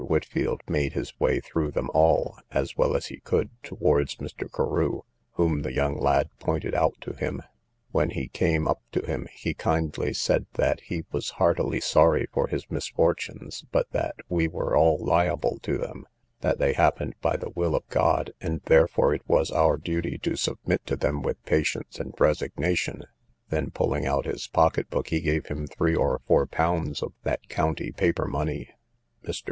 Whitfield made his way through them all, as well as he could, towards Mr. Carew, whom the young lad pointed out to him. When he came up to him, he kindly said that he was heartily sorry for his misfortunes, but that we were all liable to them, that they happened by the will of God, and therefore it was our duty to submit to them with patience and resignation; then, pulling out his pocket book, he gave him three or four pounds of that county paper money. Mr.